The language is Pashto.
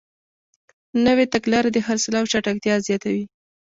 نوې تګلارې د خرڅلاو چټکتیا زیاتوي.